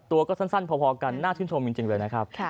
ตัวก็สั้นพอกันน่าชื่นชมจริงเลยนะครับ